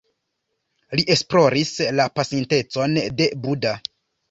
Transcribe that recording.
Li esploris la pasintecon de Buda.